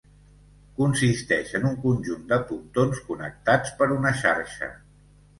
Consisteix en un conjunt de pontons connectats per una xarxa.